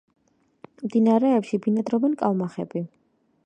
მდინარეებში ბინადრობენ კალმახები.